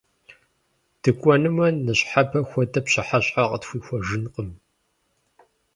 ДыкӀуэнумэ, ныщхьэбэ хуэдэ пщыхьэщхьэ къытхуихуэжынкъым!